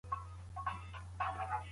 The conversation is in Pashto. مي ولیکل